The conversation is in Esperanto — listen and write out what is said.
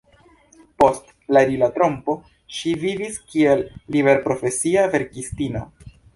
Post la rilatrompo ŝi vivis kiel liberprofesia verkistino.